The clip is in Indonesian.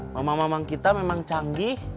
mama mama kita memang canggih